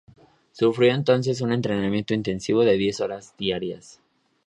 Sufrió entonces un entrenamiento intensivo de diez horas diarias.